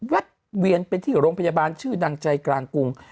เวียนไปที่โรงพยาบาลชื่อดังใจกลางกรุง